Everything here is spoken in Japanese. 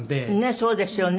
そうですよね。